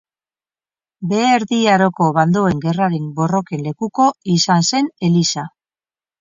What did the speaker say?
Behe Erdi Aroko bandoen gerraren borroken lekuko izan zen eliza.